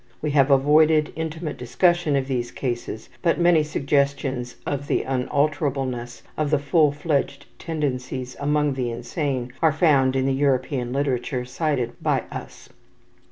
We have avoided intimate discussion of these cases, but many suggestions of the unalterableness of the full fledged tendencies among the insane are found in the European literature cited by us.